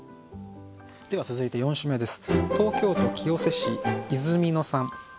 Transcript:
では続いて４首目です。